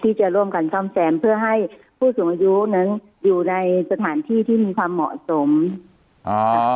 ที่จะร่วมกันซ่อมแซมเพื่อให้ผู้สูงอายุนั้นอยู่ในสถานที่ที่มีความเหมาะสมอ่า